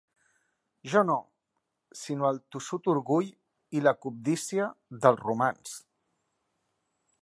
Jo no; sinó el tossut orgull i la cobdícia dels romans.